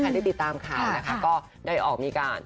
ได้ติดตามข่าวนะคะก็ได้ออกมีการ